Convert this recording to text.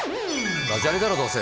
ダジャレだろどうせ。